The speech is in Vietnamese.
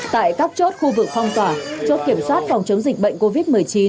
tại các chốt khu vực phong tỏa chốt kiểm soát phòng chống dịch bệnh covid một mươi chín